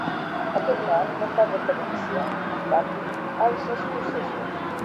Aquest nom no fa referència, en canvi, als escocesos.